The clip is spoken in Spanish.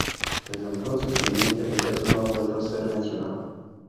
Desde entonces, el límite de peso no ha vuelto a ser mencionado.